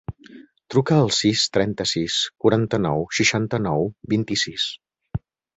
Truca al sis, trenta-sis, quaranta-nou, seixanta-nou, vint-i-sis.